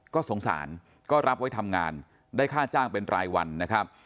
ก็สงสารก็รับไว้ทำงานได้ค่าจ้างเป็นรายวันนะครับ